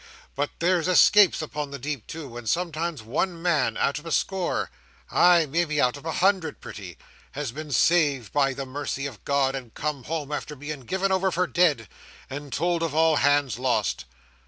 But there's escapes upon the deep, too, and sometimes one man out of a score,—ah! maybe out of a hundred, pretty,—has been saved by the mercy of God, and come home after being given over for dead, and told of all hands lost.